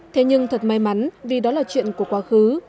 thế nhưng thật may mắn vì đó là chuyện của quá khứ